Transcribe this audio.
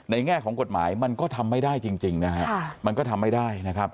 แง่ของกฎหมายมันก็ทำไม่ได้จริงนะฮะมันก็ทำไม่ได้นะครับ